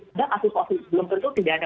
tidak kasus positif belum tentu tidak ada